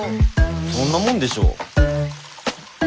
そんなもんでしょ。